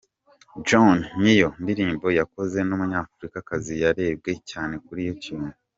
Johnny, niyo ndirimbo yakozwe n’Umunyafurikakazi yarebwe cyane kuri YouTube.